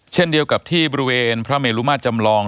เช่นเดียวกับที่บริเวณพระเมลุมาตรจำลอง